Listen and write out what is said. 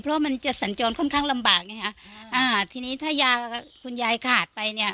เพราะมันจะสัญจรค่อนข้างลำบากไงฮะอ่าทีนี้ถ้ายากับคุณยายขาดไปเนี่ย